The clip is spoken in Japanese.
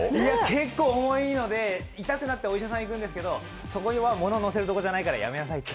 結構重いので痛くなってお医者さんに行くんですけどそこはものをのせるところじゃないからやめなさいって。